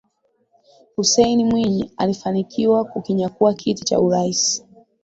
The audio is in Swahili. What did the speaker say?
Hussein Mwinyi alifanikiwa kukinyakua kiti cha urais